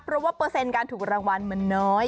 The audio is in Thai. เพราะว่าเปอร์เซ็นต์การถูกรางวัลมันน้อย